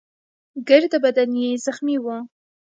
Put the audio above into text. ګرده بدن يې زخمي وو.